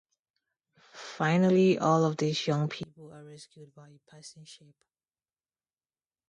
Finally all of these young people are rescued by a passing ship.